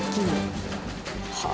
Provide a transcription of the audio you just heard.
はあ！